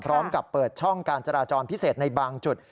พร้อมกับเปิดช่องการจราจรพิเศษในบางจุด